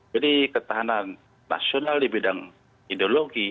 jadi ketahanan nasional di bidang ideologi